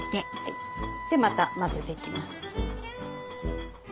でまた混ぜていきます。